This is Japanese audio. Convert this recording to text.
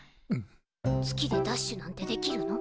月でダッシュなんてできるの？